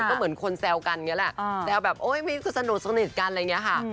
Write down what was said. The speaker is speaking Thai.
ก็เหมือนคนแซวกันเงี้ยแหละแซวแบบโอ๊ยมีสนุกสนิทกันอะไรอย่างเงี้ยค่ะ